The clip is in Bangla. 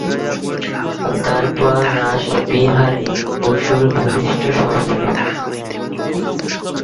তারপর রাসবিহারী বসুর ঘনিষ্ঠ সহযোগী হন।